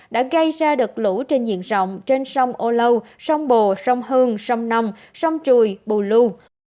đã gây ra đợt lũ trên diện rộng trên sông âu lâu sông bồ sông hương sông nông sông trùi bù lưu